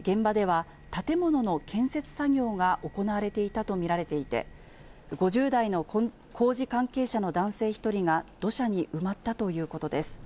現場では、建物の建設作業が行われていたと見られていて、５０代の工事関係者の男性１人が土砂に埋まったということです。